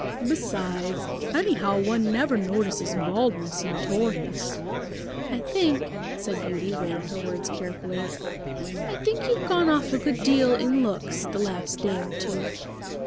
Besides, anyhow one never notices baldness in a tortoise." "I think," said Beauty, weighing her words carefully, "I think you've gone off a good deal in looks the last day or two."